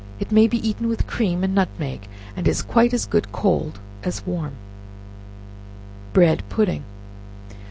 It may be eaten with cream, and nutmeg, and is quite as good cold as warm. Bread Pudding.